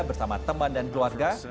bersama teman dan keluarga